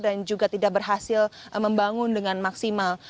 dan juga tidak berhasil membangun dengan maksimal